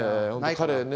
彼ね